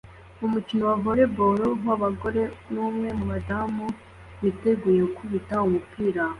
Umukino wa volley ball wabagore numwe mubadamu biteguye gukubita umupira